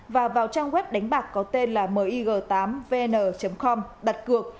và vào trang web đánh bạc có tên là mig tám vn com đặt cược